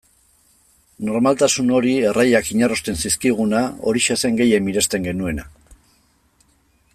Normaltasun hori, erraiak inarrosten zizkiguna, horixe zen gehien miresten genuena.